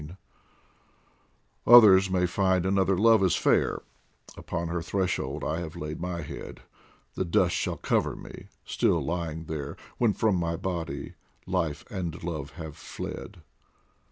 DIVAN OF HAFIZ Others may find another love as fair ; Upon her threshold I have laid my head, The dust shall cover me, still lying there, When from my body life and love have fled.